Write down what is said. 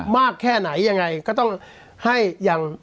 มากแค่ไหนยังไงก็ต้องให้อย่าง